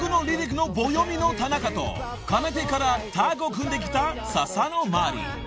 くのぼうよみのたなかとかねてからタッグを組んできたササノマリイ］